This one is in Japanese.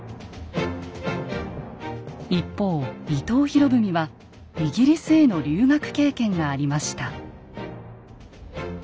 一方伊藤博文はイギリスへの留学経験がありました。